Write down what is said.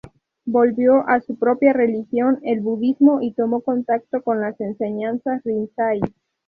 Volvió a su propia religión, el budismo y tomó contacto con las enseñanzas Rinzai.